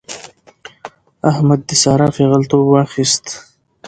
احمد د سارا پېغلتوب واخيست.